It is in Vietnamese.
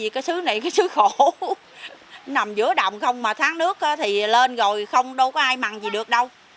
không mà tháng nước thì lên rồi không có ai mặn gì được đâu